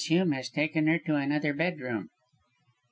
Hume has taken her to another bedroom."